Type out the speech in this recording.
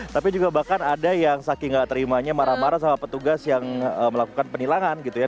tapi juga bahkan ada yang saking gak terimanya marah marah sama petugas yang melakukan penilangan gitu ya